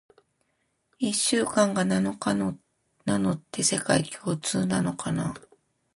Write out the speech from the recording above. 一週間が七日なのって、世界共通なのかな？